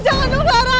jangan dong clara